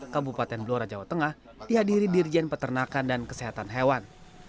kabupaten blora jawa tengah dihadiri dirjen peternakan dan kesehatan hewan